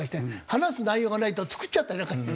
話す内容がないと作っちゃったりなんかして。